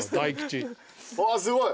わすごい。